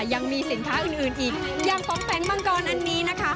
ยังมีสินค้าอื่นอื่นอีกอย่างป๋องแปงมังกรอันนี้นะคะ